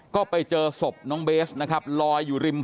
ก็ไปเจอศพน้องเบสนะครับลอยอยู่ริม